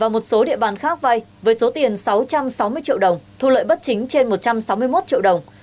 một số địa bàn khác vay với số tiền sáu trăm sáu mươi triệu đồng thu lợi bất chính trên một trăm sáu mươi một triệu đồng